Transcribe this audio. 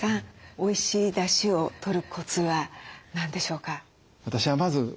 おいしいだしをとるコツは何でしょうか？